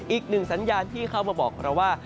อีกหนึ่งสัญญาณที่เข้ามาบอกเราว่า